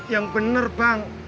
yang bener bang